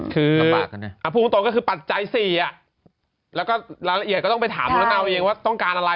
คือพูดตรงก็คือปัจจัย๔แล้วก็รายละเอียดก็ต้องไปถามคุณละเต้าเองว่าต้องการอะไร